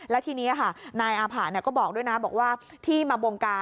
และทีนี้ค่ะนายอาผะก็บอกด้วยนะบอกว่าที่มาบงการ